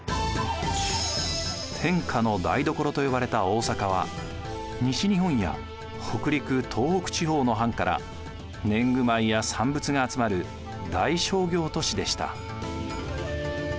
天下の台所と呼ばれた大坂は西日本や北陸東北地方の藩から年貢米や産物が集まる大商業都市でした。